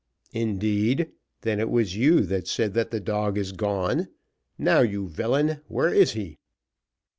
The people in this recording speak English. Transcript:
"Indeed! then it was you that said that the dog is gone now, you villain, where is he?"